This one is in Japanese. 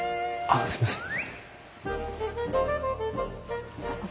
あっすいません。